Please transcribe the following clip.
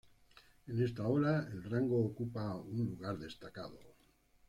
En esta ola, el rango ocupa un lugar destacado.